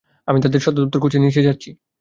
আমি তাদের সদর দপ্তর খুঁজতে নিচে যাচ্ছি।